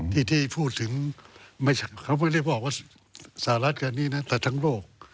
ที่พูดถึงไม่ใช่เขาไม่ได้บอกว่าสหรัฐการณีนะแต่ทั้งโลก